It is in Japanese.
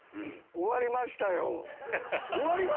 終わりましたよ！